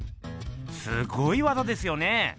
すごい技ですよね。